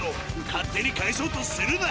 勝手に返そうとするな！